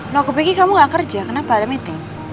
loh aku pikir kamu gak kerja kenapa ada meeting